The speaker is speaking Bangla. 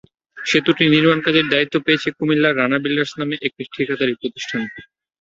সেতুটি নির্মাণকাজের দায়িত্ব পেয়েছে কুমিল্লার রানা বিল্ডার্স নামের একটি ঠিকাদারি প্রতিষ্ঠান।